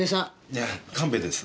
いや神戸です。